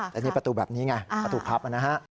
แต่นี่ประตูแบบนี้ไงประตูพับนะฮะ